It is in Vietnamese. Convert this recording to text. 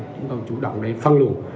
chúng tôi chủ động để phân luồng